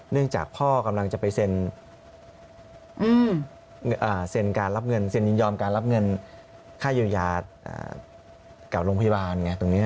เนื่องจากพอกำลังจะไปสินยนยอมการรับเงินค่ายยากับโอโครงพยาบาล